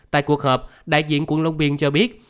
tại cuộc họp đại diện quận long biên cho biết